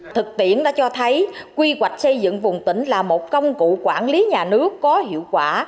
thực tiễn đã cho thấy quy hoạch xây dựng vùng tỉnh là một công cụ quản lý nhà nước có hiệu quả